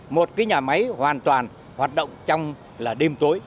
một cái nhà máy hoàn toàn hoạt động trong là đêm tối